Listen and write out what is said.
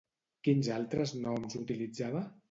Quins altres noms utilitzava?